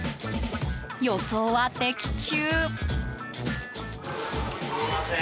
予想は的中。